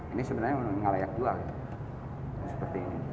ini sebenarnya tidak layak juga